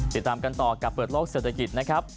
ติดตามกันต่อกับเปิดโลกเศรษฐกิจนะครับ